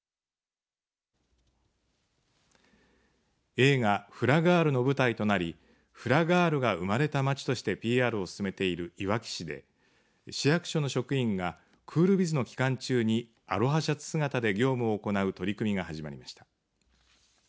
映画フラガールの舞台となりフラガールが生まれた街としてＰＲを進めているいわき市で市役所の職員がクールビズの期間中にアロハシャツ姿で業務を行う取り組みが始まりました。